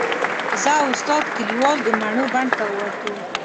زه او استاد کلیوال د مڼو بڼ ته ووتو.